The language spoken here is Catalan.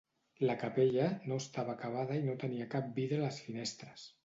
La Capella no estava acabada i no tenia cap vidre a les finestres.